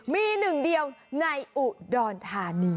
มีหนึ่งเดียวในอุดรธานี